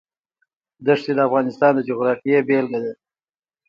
دښتې د افغانستان د جغرافیې بېلګه ده.